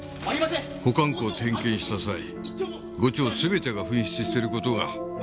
保管庫を点検した際５丁全てが紛失している事が判明した。